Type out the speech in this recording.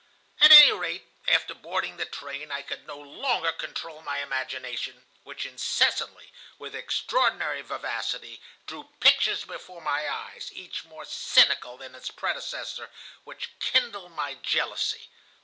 At any rate, after boarding the train I could no longer control my imagination, which incessantly, with extraordinary vivacity, drew pictures before my eyes, each more cynical than its predecessor, which kindled my jealousy.